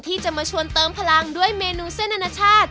ที่จะมาชวนเติมพลังด้วยเมนูเส้นอนาชาติ